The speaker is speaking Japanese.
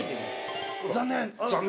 「残念！！」。